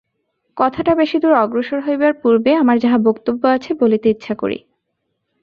কথাটা বেশি দূর অগ্রসর হইবার পূর্বে আমার যাহা বক্তব্য আছে, বলিতে ইচ্ছা করি।